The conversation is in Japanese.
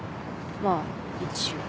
まあ一応。